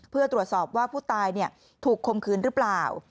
เพื่อตรวจสอบว่าผู้ตายถูกคมคืนหรือเปล่า